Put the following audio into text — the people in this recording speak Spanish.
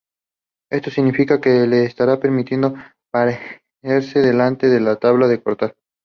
Esto significa que le estará permitido pararse delante de la tabla de cortar.